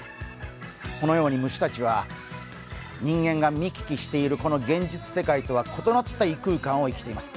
このように虫たちは人間が見聞きしているこの現実世界とは異なった異空間を生きています。